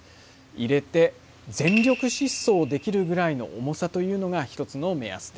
入れて全力疾走できるぐらいの重さというのが一つの目安です。